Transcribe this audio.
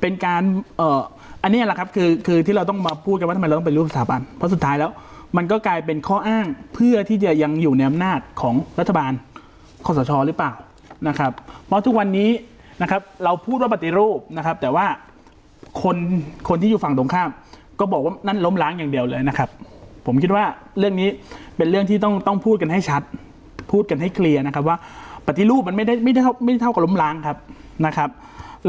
เป็นข้ออ้างเพื่อที่จะยังอยู่ในอำนาจของรัฐบาลของสชหรือเปล่านะครับเพราะทุกวันนี้นะครับเราพูดว่าปฏิรูปนะครับแต่ว่าคนคนที่อยู่ฝั่งตรงข้างก็บอกว่านั่นล้มล้างอย่างเดียวเลยนะครับผมคิดว่าเรื่องนี้เป็นเรื่องที่ต้องต้องพูดกันให้ชัดพูดกันให้เคลียร์นะครับว่าปฏิรูปมันไม่ได้ไม่ได้ไม่เท่ากับล้